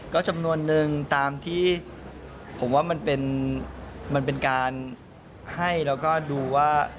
ก็จำนวนนึงตามที่ผมว่ามันเป็นการให้แล้วก็ดูว่า